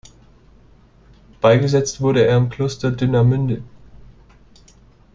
Beigesetzt wurde er im Kloster Dünamünde.